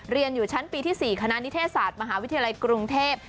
เรียนอยู่ชั้นปีที่๔คณะนิเทศศาสตร์มหาวิทยาลัยกรุงเทพ